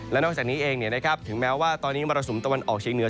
และนอกจากนี้เองถึงแม้ว่าตอนนี้มรสุมตะวันออกเชียงเหนือ